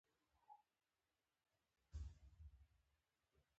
د عدل، انصاف او ازادۍ نظام پلی کړ.